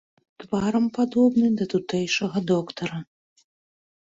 Тварам падобны да тутэйшага доктара.